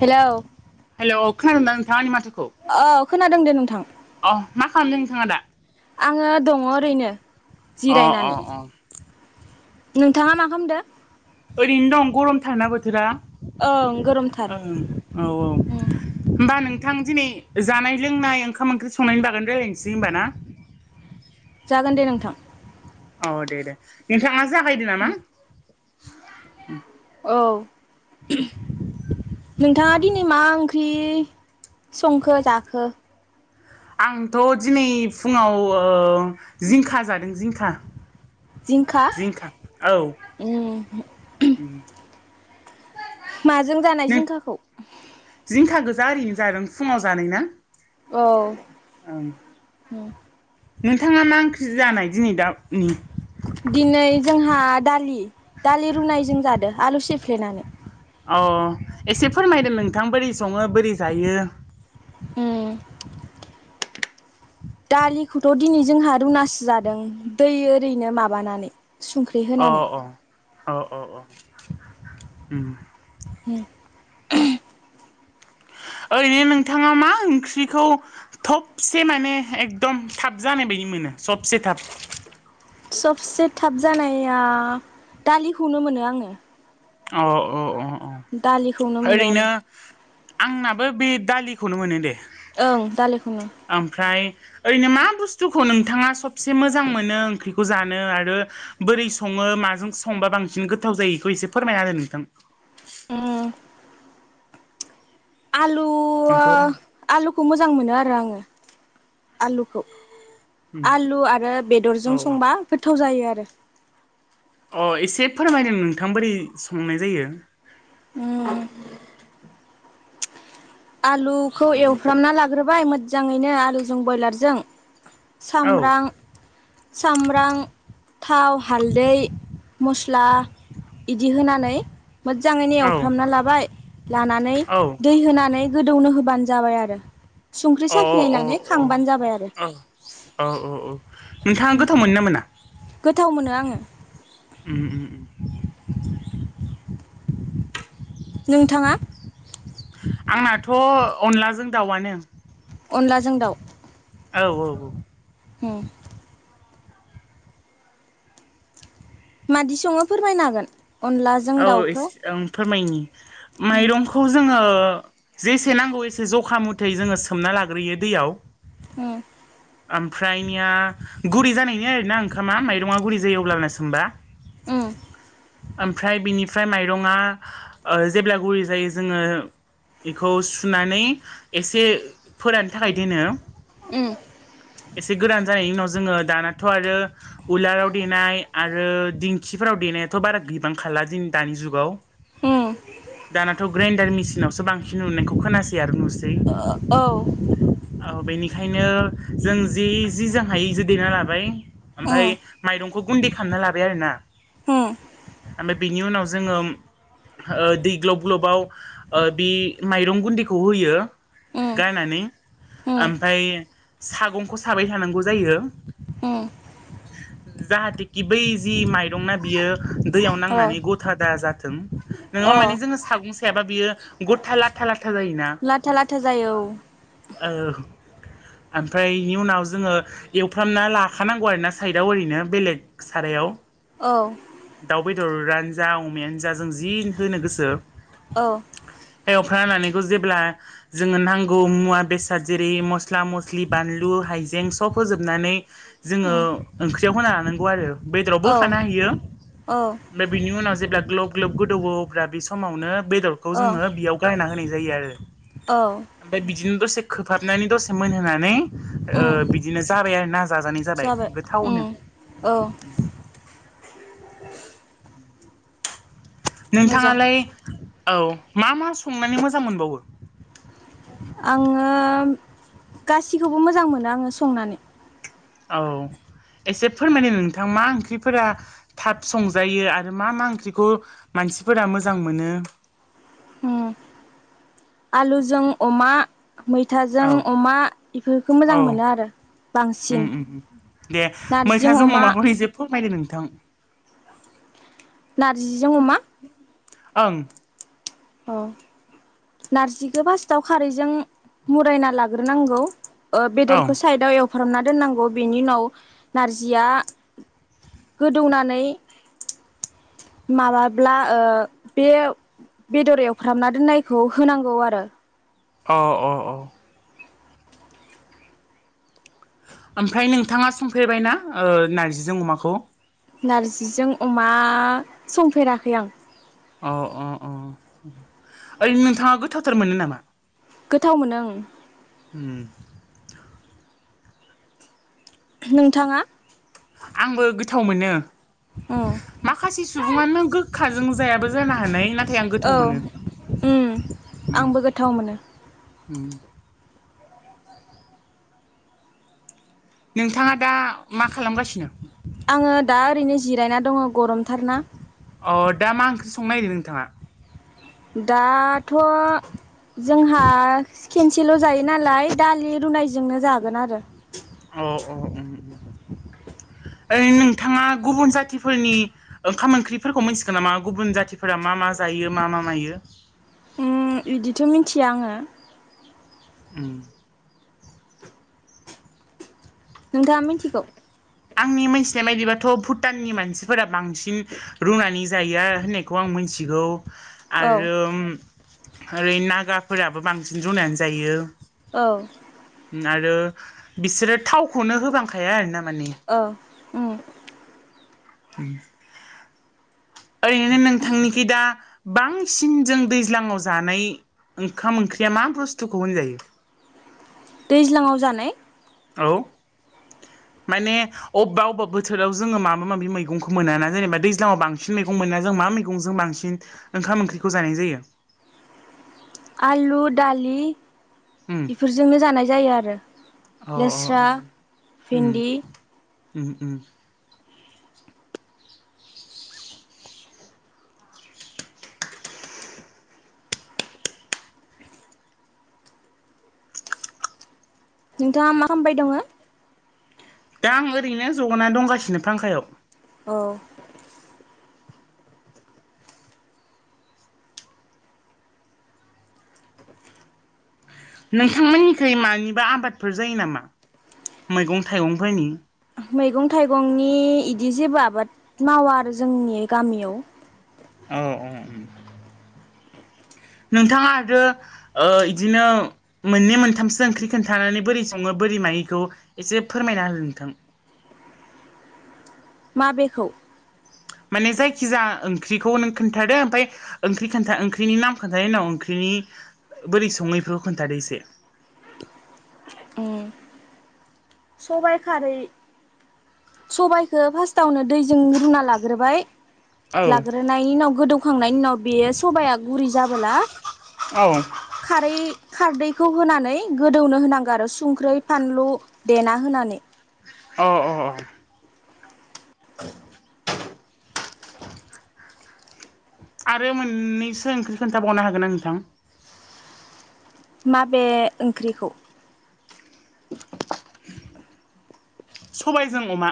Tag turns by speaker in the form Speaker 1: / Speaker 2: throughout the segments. Speaker 1: Hello
Speaker 2: hello खोनादोंना नोंथां आंनि माथोखौ?
Speaker 1: औ खोनादों दे नोंथां
Speaker 2: अ मा खालामदों नोंथाङा दा
Speaker 1: आङो दङो ओरैनो
Speaker 2: अ अ
Speaker 1: जिरायनानै
Speaker 2: अ
Speaker 1: नोंथाङा मा खालामदो?
Speaker 2: ओरैनो दं गरमथारोना बोथोरा ओं औ औ
Speaker 1: उम
Speaker 2: होमबा नों थां दिनै जानाय लोंनाय ओंखाम ओंख्रि संनायनि बागान रायजलायनोसै होमबा ना?
Speaker 1: जागोन दे नोंथां
Speaker 2: औ दे दे नोंथाङा जागायदो
Speaker 1: उम
Speaker 2: नामा
Speaker 1: औ नोंथाङा दिनै मा ओंख्रि संखो जाखो
Speaker 2: आंथ' दिनै फुङाव ओ जिंखा जादों जिंखा जिंखा औ
Speaker 1: उम माजों जानाय जिंखाखौ
Speaker 2: जारैनो जारों फुङाव जानाय ना
Speaker 1: औ
Speaker 2: ओं
Speaker 1: उम
Speaker 2: नोंथाङा मा ओंख्रि जानाय दिनै दाउ नि
Speaker 1: दिनै जोंहा दालि दालि रुनायजों जादो आलु सेफ्लेनानै
Speaker 2: अ एसे फोरमायदो नोंथां बोरै सङो बोरै जायो
Speaker 1: उम दालिखौथ' दिनै जोंहा रुनासो जादों दै ओरैनो माबानानै सुंख्रि होनानै
Speaker 2: अ अ अ अ उम
Speaker 1: हु [unintelligible] [inaudible]
Speaker 2: ओरैनो नोंथाङा मा ओंख्रिखौ थबसे माने एकदम थाब जानाय बायदि मोनो सबसे थाब
Speaker 1: सबसे थाब जानाया दालिखौनो मोनो आङो
Speaker 2: अ अ अ
Speaker 1: दालिखौनो मोनो आरो
Speaker 2: ओरैनो आंनाबो बे दालिखौनो मोनो दे
Speaker 1: औ दालिखौनो
Speaker 2: ओमफ्राय ओरैनो मा बुस्थुखौ नोंथाङा सबसे मोजां मोनो ओंख्रिखौ जानो आरो बोरै सङो मा मा जों संबा बांसिन गोथाव जायो इखौ इसे फोरमायना होदो नोंथां
Speaker 1: उम आलु वा
Speaker 2: नोंखौ आं
Speaker 1: आलुखौ मोजां मोनो आरो आङो आलुखौ आलु आरो बेदरजों
Speaker 2: औ
Speaker 1: संबा गोथाव जायो आरो
Speaker 2: अ इसे फोरमायदों नोंथां बोरै संनाय जायो औ [inaudible]
Speaker 1: उम आलु खौ एवफ्रामना लाग्रोबाय मोदजाङैनो आलुजों बयलारजों
Speaker 2: औ
Speaker 1: सामब्रां सामब्रां थाव हालदै मस्ला इदि होनानै मोदजाङैनो
Speaker 2: औ
Speaker 1: एवफ्रामना लाबाय लानानै
Speaker 2: औ
Speaker 1: दै होनानै गोदौनो होबानो जाबाय आरो सुंख्रि
Speaker 2: अ
Speaker 1: साखि नायनानै खांबानो जाबाय आरो
Speaker 2: औ औ नोंथाङा गोथाव मोनो ना मोना
Speaker 1: गोथाव मोनो आङो
Speaker 2: उम उम उम
Speaker 1: नोंथाङा
Speaker 2: आंनाथ' अनलाजों दावानो
Speaker 1: अनलाजों दाउ
Speaker 2: औ औ औ
Speaker 1: हुम मादि सङो फोरमायनो हागोन अनलाजों
Speaker 2: औ
Speaker 1: दाउखौ
Speaker 2: एस ओं फोरमायनि
Speaker 1: उम
Speaker 2: माइरंखौ जोङो जेसे नांगौ एसे जखा मुथै जोङो सोमना लाग्रोयो दैयाव
Speaker 1: उम
Speaker 2: ओमफ्रायनिया गुरै जानायनि आरोना ओंखामा माइरङा गुरै जायो अब्लाना सोमबा
Speaker 1: उम
Speaker 2: ओमफ्राय बिनिफ्राय माइरङा ओ जेब्ला गुरै जायो जोङो बेखौ सुनानै एसे फोरानो थाखाय दोनो
Speaker 1: उम
Speaker 2: एसेगोरान जानायनि उनाव जो जोङो दानाथ' आरो उलाराव देनाय आरो दिंखिफोराव देनायाथ' बारा गैबां खाला लाजिनि दानि जुगाव
Speaker 1: उम
Speaker 2: दानाथ' ग्राइडार मिसिनावसो बांसिन नुनायखौ खोनासै आरो नुसै
Speaker 1: औ
Speaker 2: औ बेनिखायनो जों जि जि जां हाय ज देना लाबाय। ओमफ्राय
Speaker 1: उम
Speaker 2: माइरंखौ गुन्दै खालामना लाबाय आरो ना
Speaker 1: उम
Speaker 2: ओमफ्राय बिनि उनाव जोङो ओ दै ग्लब ग्लबाव बे माइरं गुन्दैखौ होयो।
Speaker 1: उम
Speaker 2: गारनानै
Speaker 1: उम
Speaker 2: ओमफ्राय सागंखौ साबाय थानांगौ जायो।
Speaker 1: हम
Speaker 2: जाहाथेखि बै जि माइरंना बियो दैयाव
Speaker 1: अ
Speaker 2: नांनानै गथा दा जाथों नङाबा
Speaker 1: अ
Speaker 2: माने जोङो सागं सायाबा बियो गथा लाथा लाथा जायोना।
Speaker 1: लाथा लाथा जायो औ
Speaker 2: औ ओमफ्राय एनि उनाव जोङो एवफ्रामना लाखानांगौ आरो ना साइदआव ओरै'नो बेलेग सारायाव
Speaker 1: औ
Speaker 2: दरानो जा अमायानो जा जों जि होनो गोसो
Speaker 1: औ।
Speaker 2: जाउफ्रा जेब्ला जोंनो नांगै मुआ बेसाद जेरै मस्ला मस्लि बानलु हाइजें सब होजोबनानै जोङो
Speaker 1: उम
Speaker 2: ओं ख्रि आव होना हानांगौ आरो बेदराबो होखा
Speaker 1: औ
Speaker 2: हायो
Speaker 1: औ
Speaker 2: बिनि उनाव जेब्ला ग्लोब ग्लोब गोदौ अब्ला बे समावनो बेदरखौ
Speaker 1: औ
Speaker 2: जोङो बेयाव गायना होनाय जायो आरो।
Speaker 1: औ
Speaker 2: ओमफाय बिदिनो दसे हाबनानै दसे मोनहोनानै ओ
Speaker 1: उम
Speaker 2: बिदिनो ओ जाबाय आरो ना जाजानाय जाबाय गोथावनो
Speaker 1: औ मोजां
Speaker 2: नोंथाङालाय औ मा मा संनानै मोजां मोनबावो?
Speaker 1: आङो गासिखौबो मोजां मोनो आङो संनानै
Speaker 2: औ। एसे फोरमायनो नोंथां मा ओंख्रिफोरा थाब संजायो? आरो मा मा ओंख्रिखौ म मानसिफोरा मोजां मोनो
Speaker 1: ओम आलुजों अमा मैथाजों
Speaker 2: औ
Speaker 1: अमा बेफोरखौ मोजां मोनो आरो। बांसिन
Speaker 2: ओम ओम दे
Speaker 1: नारजिजों
Speaker 2: मैथाजों
Speaker 1: अमा
Speaker 2: अमाखौल एसे फोरमायदो नोंथां?
Speaker 1: नारजिजों अमा।
Speaker 2: ओं
Speaker 1: औ नारजिखौ फार्स्टाव खारैजों मुरायना लाग्रोनांगौ।
Speaker 2: औ
Speaker 1: बेदरखौ साइदाव एवफ्रामना दोननांगौ बेनि उनाव नारजिया गोदौनानै माबाब्ला ओ बे बेदरायावफ्रामना दोननायखौ होनांगौ आरो।
Speaker 2: औ औ औ। ओमफ्राय नोंथाङा संफेरबायना ओ नार्जिजों अमाखौ?
Speaker 1: नारजिजों अमा संफेराखै आं।
Speaker 2: अ अ अ ओरैनो नोंथाङा गोथावथार मोनो नामा?
Speaker 1: गोथाव मोनो ओं।
Speaker 2: उम
Speaker 1: नोंथाङा?
Speaker 2: आंबो गोथाव मोनो
Speaker 1: उम
Speaker 2: माखासे सुबुङानो गो खाजों जायाबो जानो हानाय ना थाय आं
Speaker 1: औ
Speaker 2: गोथाव मोनो
Speaker 1: उम आंबो गोथाव मोनो
Speaker 2: ओम नोंथाङा दा मा खालामगासिनो?
Speaker 1: आङो दा ओरैनो जिरायना दङ गरमथारना।
Speaker 2: अ दा मा ओंख्रि संनो नागिरदों नोंथाङा
Speaker 1: दाथ' जोंहा खेनसेल' जायो नालाय दालि रुनायजोंनो जागोन आरो
Speaker 2: औ औ औ ओरैनो नोंथाङा गुबुन जाथिफोरनि ओंखाम ओंख्रिफोरखौ मोनथिगोन नामा गुबुन जाथिफोरा मा मा मा जायो मा मा मायो
Speaker 1: उम बिदिथ' मिथिया आंङो
Speaker 2: उम
Speaker 1: नोंथांङा मिथिगौ
Speaker 2: आंनि मोनथिनाय बायदिबाथ' भुटाननि मानसिफोरा बांसिन रुनानै जायो होननायखौ आं मि मिथिगौ
Speaker 1: औ
Speaker 2: आरो ओरै नागाफोराबो बांसिन रुनायनानै जायो।
Speaker 1: औ
Speaker 2: आरो बिसोरो थावखौनो होबांखाया आरो ना माने
Speaker 1: ओ उम
Speaker 2: [inaudible] ओैरैनो नोंथांनिखि दा बांसिन जों दैज्लाङाव जानाय ओंखाम ओंख्रिया मा बुस्थुखौ होनजायो
Speaker 1: दैज्लाङाव जानाय
Speaker 2: औ
Speaker 1: [inaudible]
Speaker 2: माने अबबा अबेबा बोथाराव जोंङो माबा माबि मैगंखौ मोना ना जेनेबा दैज्लाङाव बांसिन मैगं मोनो ना जों मा मा मैगंजो बांसिन ओंखाम ओंख्रिखौ जानाय जायो।
Speaker 1: आलु दालि
Speaker 2: उम
Speaker 1: बेफोरजोंनो जानाय जायो आरो
Speaker 2: अ
Speaker 1: लेस्रा,
Speaker 2: उम
Speaker 1: भिन्दि
Speaker 2: उम उम
Speaker 1: नोंथाङा मा खालामामबाय दङो।
Speaker 2: दा आं ओरैनो जगनानै दंगासिनो फांखायाव
Speaker 1: औ
Speaker 2: नोंथांमोननिखै मानिबा आबादफोर जायो नामा मैगं थाइगंफोरनि
Speaker 1: मैगं थाइगंनि इदि जेबो आबाद मावा आरो जोंनि गामियाव
Speaker 2: औ औ उम नोंथाङा आरो ओ इदिनो मोननै मोनथामसो ओंख्रि खोन्थानानै बोरै सङो बोरै मायो एखौ एसे फोरमायना हो नोंथां
Speaker 1: [inaudible] माबेखौ
Speaker 2: माने जायखिजाया ओंख्रिखौ नों खोन्थादो ओमफा ओंख्रि खोनथा ओंख्रिनि नाम खोन्थादों उनाव ओंख्रिनि बोरै संङो खोन्थादो इसे
Speaker 1: [inaudible] सबायाइ खारै सबायाइखोफार्स्टावनो दैजों रुना लाग्रोबाय
Speaker 2: औ
Speaker 1: लाग्रोनायनि उनाव गोदौखांनायनि उनाव बेयो सबाया गुरै जाबोला
Speaker 2: औ
Speaker 1: खारै खारदैखौ होनानै गोदौनो होनांगौ आरो संख्रै फानलु देना हो नानै।
Speaker 2: अ अ अ। [inaudible] आरो मोननैसो ओंख्रि खोनथाबावनो हागोन ना नोंथां?
Speaker 1: माबे ओंख्रिखौ?
Speaker 2: सबायजों अमा।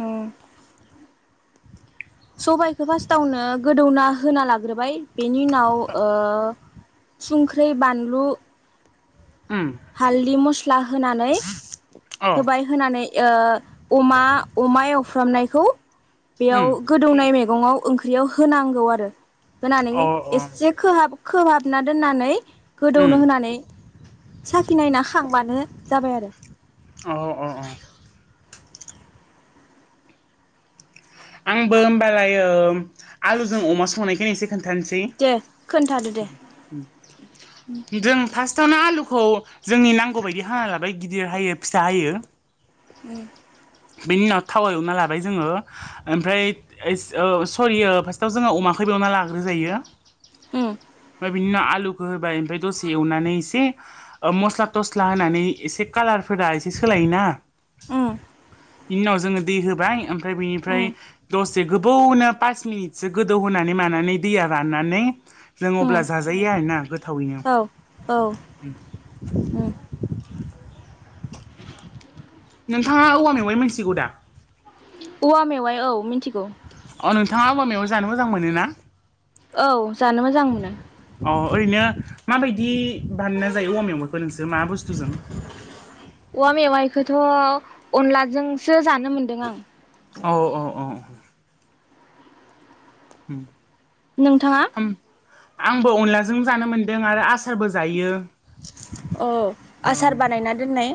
Speaker 1: उम। सबायाइखो फार्स्टावनो गोदौना होना लाग्रोबाय, बेनि उनाव ओ सुंख्रै बानलु
Speaker 2: उम
Speaker 1: हालदै मस्ला होनानै
Speaker 2: अ
Speaker 1: होबाय होनानै ओ अमा अमा एवफ्रामनायखौ बेयाव
Speaker 2: उम
Speaker 1: गोदौनाय मेगङाव ओंख्रियाव होनांगौ आरो। होनानै
Speaker 2: अ
Speaker 1: एसे खोबहाब खोबहाबना दोननानै
Speaker 2: उम
Speaker 1: गोदौनो होनानै साखि नायना खांबानो जाबाय आरो।
Speaker 2: अ अ आंबो होमबालाय ओ आलुजों अमा संनायखोनो एसे खोन्थानोसै,
Speaker 1: दे खोन्थादो दे
Speaker 2: जों फास्ट थावनो आलुखौ जोंनि नांगौ बायदि हाना लाबाय, गिदिर हायो फिसा हायो।
Speaker 1: उम।
Speaker 2: बेनि उनाव थाव एवना लाबाय जोङो, ओमफ्राय ओ सरियो फार्स्टआव जोङो अमाखो एवना लाग्रो जायो, ओमफ्राय बिनि उनाव आलु होबाय ओमफ्राय दसे एवनानै एसे मस्ला थस्ला होनानै एसे कालारफोरा एसे सोलाय बिना
Speaker 1: उम
Speaker 2: बेनि उनाव जोङो दै होबाय ओमफ्राय बैनिफ्राय
Speaker 1: उम
Speaker 2: दस से गोबोवनो पास मिनिटसो गोदौ होनोनानै मानानै दैया राननानै जों
Speaker 1: उम
Speaker 2: अब्ला जाजायो आरोना गोथावैनो।
Speaker 1: औ औ
Speaker 2: उम।
Speaker 1: उम
Speaker 2: नोंथाङा औवा मेवाइ मोनथिगौ दा?
Speaker 1: औवा मेवाइ औ मिथिगौ।
Speaker 2: अ नोंथाङा औवा मेवाय जानो मोजां मोनो ना?
Speaker 1: औ जानो मोजां मोनो।
Speaker 2: अ ओरैनो माबायदि बानायना जायो औवा मेवाइखौ नोंसोर मा बुस्थुजों?
Speaker 1: औवा मेवाइखोथ' अनलाजोंसो जानो मोनदों आं।
Speaker 2: औ औ औ। ओम।
Speaker 1: नोंथाङा?
Speaker 2: आंबो अनलाजों जानो मोनदों आरो आस सारबो जायो।
Speaker 1: औ
Speaker 2: औ।
Speaker 1: आसार बानायना दोननाय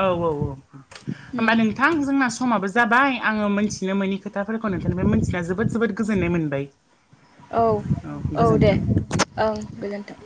Speaker 2: औ औ औ होमबा नोंथां जोंना समाबो जाबाय, आङो मोनथिनो मोनैनि खोथाफोरखौ नोंथांनिफ्राय मोनथिना जोबोद जोबोद गोजोननाय मोनबाय।
Speaker 1: औ औ दे ओं गोजोन्थों।